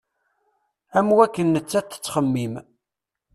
Am wakken nettat tettxemmim.